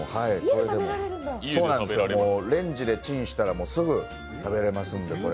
レンジでチンしたら、すぐ食べれますんで。